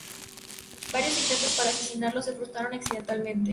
Varios intentos para asesinarlo se frustraron accidentalmente.